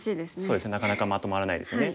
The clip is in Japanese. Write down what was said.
なかなかまとまらないですよね。